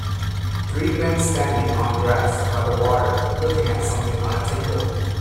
Three men standing on grass by the water looking at something on a table